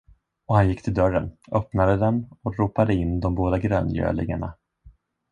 Och han gick till dörren, öppnade den och ropade in de båda gröngölingarna.